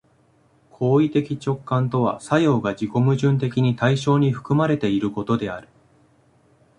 行為的直観とは作用が自己矛盾的に対象に含まれていることである。